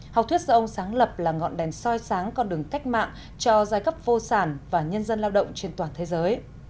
học thuyết do ông sáng lập là ngọn đèn soi sáng con đường cách mạng cho giai cấp vô sản và nhân dân lao động trên toàn thế giới